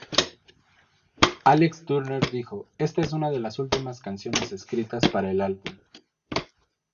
Alex Turner dijo "Esta es una de las últimas canciones escritas para el álbum.